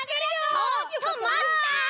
ちょっとまった！